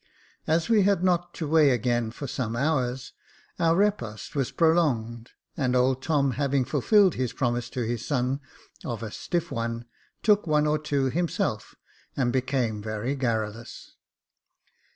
As we had not to weigh again for some hours, our repast was pro longed, and old Tom, having fulfilled his promise to his son, of a stiffs oncy took one or two himself, and became very garrulous.